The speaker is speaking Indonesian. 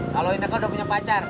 kalau ineke udah punya pacar